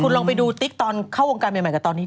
คุณลองไปดูติ๊กตอนเข้าวงการเมยอร์ไหมกันตอนนี้